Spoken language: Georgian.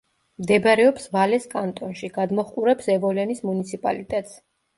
მდებარეობს ვალეს კანტონში; გადმოჰყურებს ევოლენის მუნიციპალიტეტს.